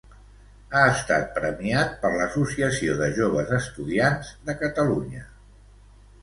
Ha estat premiat per l'Associació de Joves Estudiants de Catalunya.